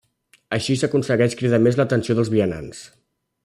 Així s'aconsegueix cridar més l'atenció dels vianants.